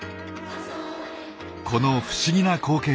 この不思議な光景